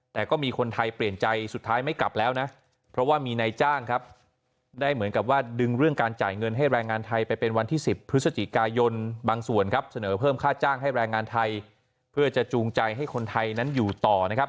แต่ก็มีคนไทยเปลี่ยนใจสุดท้ายไม่กลับแล้วนะเพราะว่ามีนายจ้างครับได้เหมือนกับว่าดึงเรื่องการจ่ายเงินให้แรงงานไทยไปเป็นวันที่๑๐พฤศจิกายนบางส่วนครับเสนอเพิ่มค่าจ้างให้แรงงานไทยเพื่อจะจูงใจให้คนไทยนั้นอยู่ต่อนะครับ